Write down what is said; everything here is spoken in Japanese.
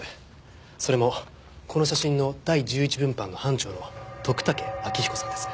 それもこの写真の第１１分班の班長の徳武彰彦さんです。